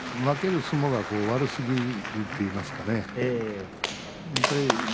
負ける相撲が悪すぎるんですね。